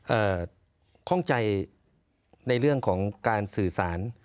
ข้องใจในเรื่องของการสื่อสาร